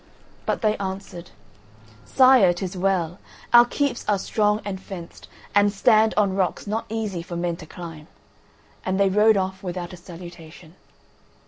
But they answered: "Sire, it is well. Our keeps are strong and fenced, and stand on rocks not easy for men to climb." And they rode off without a salutation.